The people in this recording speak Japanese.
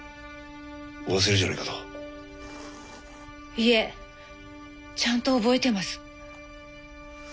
いえちゃんと覚えてます。